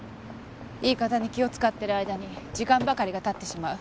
言い方に気を使ってる間に時間ばかりが経ってしまう。